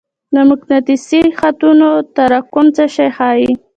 د مقناطیسي خطونو تراکم څه شی ښيي؟